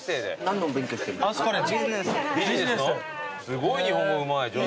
すごい日本語うまい上手。